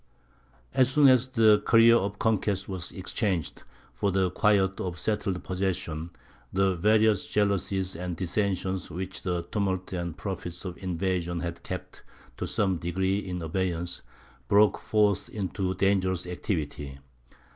As soon as the career of conquest was exchanged for the quiet of settled possession, the various jealousies and dissensions which the tumult and profits of invasion had kept to some degree in abeyance broke forth into dangerous activity.